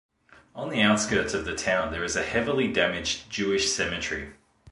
On the outskirts of the town there is a heavily damaged Jewish cemetery.